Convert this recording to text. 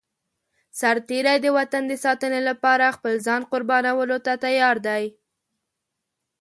سرتېری د وطن د ساتنې لپاره خپل ځان قربانولو ته تيار دی.